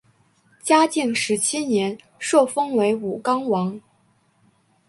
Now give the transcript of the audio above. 嘉靖十七年受封为武冈王。